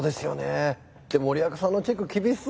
でも森若さんのチェック厳しそうだな。